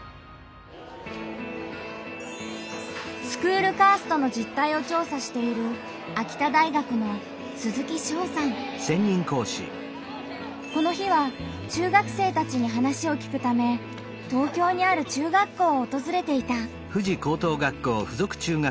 スクールカーストの実態を調査しているこの日は中学生たちに話を聞くため東京にある中学校をおとずれていた。